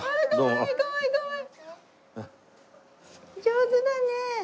上手だね！